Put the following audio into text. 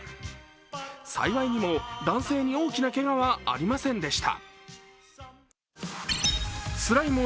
幸いにも男性に大きなけがはありませんでした。